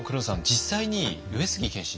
実際に上杉謙信